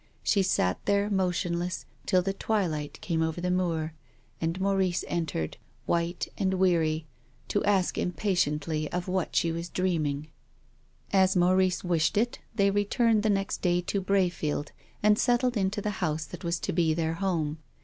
She sat there motionless till the twilight came over the moor, and Maurice entered, wiiitc and weary, to ask impatiently i>{ what she was dreaming. 234 TONGUES OF CONSCIENCE. As Maurice wished it, they returned the next day to Brayfield and settled into the house that was to be their home.